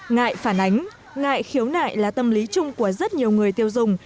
ngại phản ánh ngại khiếu nại là tâm lý chung của rất nhiều người tiêu dùng